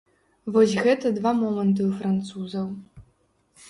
Вось гэта два моманты ў французаў.